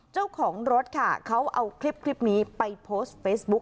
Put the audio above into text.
เจ้าของรถค่ะเขาเอาคลิปนี้ไปโพสต์เฟซบุ๊ค